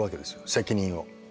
責任を。